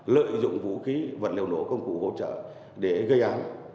lợi dụng vũ khí vật liệu nổ công cụ hỗ trợ để gây án